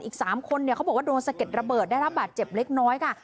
อีก๓คนเนี่ยเขาบอกว่าโดนสะเก็ดระเบิดได้รับบาดเจ็บเล็กน้อยค่ะ